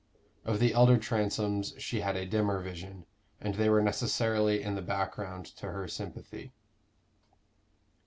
Of the elder Transomes she had a dimmer vision, and they were necessarily in the background to her sympathy.